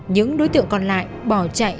những đối tượng còn lại bỏ chạy